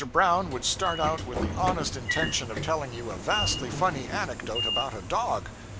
Brown would start out with the honest intention of telling you a vastly funny anecdote about a dog.